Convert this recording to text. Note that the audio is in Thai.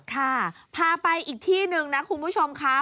ค่ะพาไปอีกที่หนึ่งนะคุณผู้ชมค่ะ